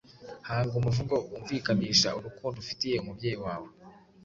Hanga umuvugo wumvikanisha urukundo ufitiye umubyeyi wawe